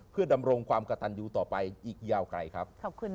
เพื่อดำรงความกระตันยูต่อไปอีกยาวไกลครับ